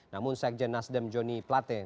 namun sekjen nasdem joni plate